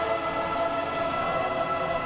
อาเมนอาเมน